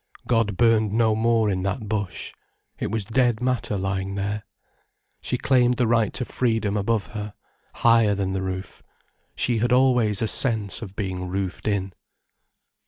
God burned no more in that bush. It was dead matter lying there. She claimed the right to freedom above her, higher than the roof. She had always a sense of being roofed in.